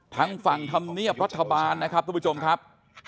ทางฝั่งธรรมเนียบรัฐบาลนะครับทุกผู้ชมครับ